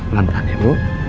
lantain ya bu